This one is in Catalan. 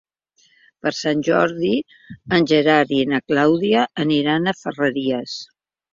Per Sant Jordi en Gerard i na Clàudia aniran a Ferreries.